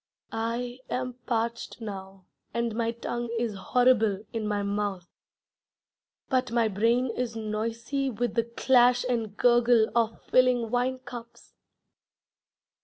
I am parched now, and my tongue is horrible in my mouth, But my brain is noisy With the clash and gurgle of filling wine cups.